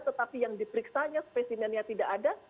tetapi yang diperiksanya spesimennya tidak ada